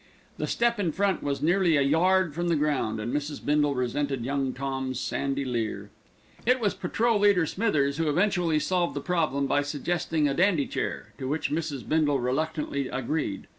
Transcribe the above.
The step in front was nearly a yard from the ground, and Mrs. Bindle resented Young Tom's sandy leer. It was Patrol leader Smithers who eventually solved the problem by suggesting a dandy chair, to which Mrs. Bindle reluctantly agreed.